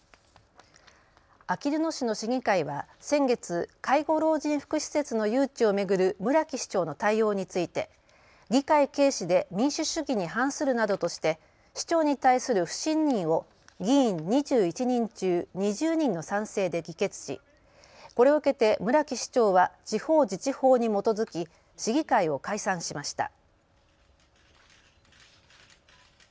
あきる野市の市議会は先月、介護老人福祉施設の誘致を巡る村木市長の対応について議会軽視で民主主義に反するなどとして市長に対する不信任を議員２１人中２０人の賛成で議決しこれを受けて村木市長は地方自治法に基づき市議会を解散しました。